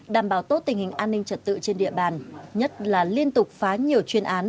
đảm bảo tốt tình hình an ninh trật tự trên địa bàn nhất là liên tục phá nhiều chuyên án